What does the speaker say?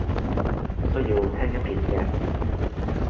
需要聽一遍嘅